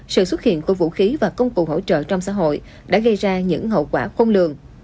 sự xuất hiện của vũ khí và công cụ hỗ trợ trong xã hội đã gây ra những hậu quả khôn lường